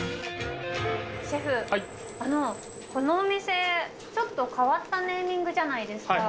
シェフ、あの、このお店、ちょっと変わったネーミングじゃないですか。